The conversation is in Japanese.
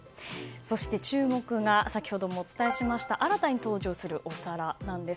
そして、注目が先ほどもお伝えしました新たに登場するお皿なんです。